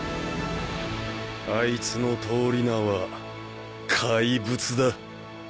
あいつの通り名は「怪物」だ。